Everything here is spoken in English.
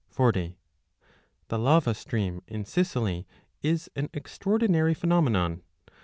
40 The lava stream in Sicily is an extraordinary pheno menon.